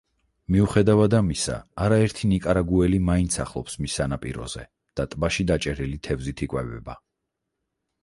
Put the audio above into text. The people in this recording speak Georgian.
მიუხედავად ამისა, არაერთი ნიკარაგუელი მაინც სახლობს მის სანაპიროზე და ტბაში დაჭერილი თევზით იკვებება.